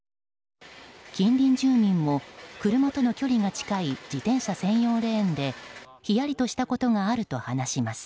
近隣住民も車との距離が近い自転車専用レーンでひやりとしたことがあると話します。